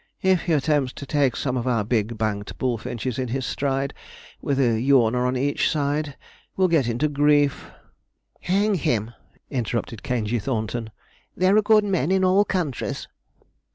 If he attempts to take some of our big banked bullfinches in his stride, with a yawner on each side, will get into grief.' 'Hang him,' interrupted Caingey Thornton, 'there are good men in all countries.'